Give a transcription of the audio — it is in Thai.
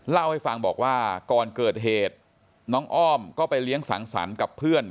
เล่าให้ฟังบอกว่าก่อนเกิดเหตุน้องอ้อมก็ไปเลี้ยงสังสรรค์กับเพื่อน